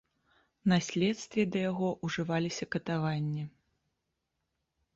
На следстве да яго ўжываліся катаванні.